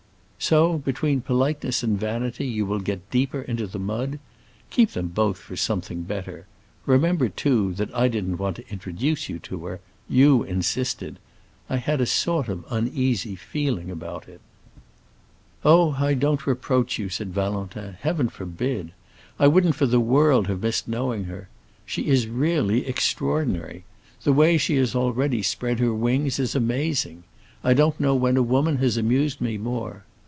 "So, between politeness and vanity, you will get deeper into the mud? Keep them both for something better. Remember, too, that I didn't want to introduce you to her; you insisted. I had a sort of uneasy feeling about it." "Oh, I don't reproach you," said Valentin. "Heaven forbid! I wouldn't for the world have missed knowing her. She is really extraordinary. The way she has already spread her wings is amazing. I don't know when a woman has amused me more.